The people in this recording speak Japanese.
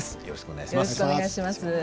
よろしくお願いします。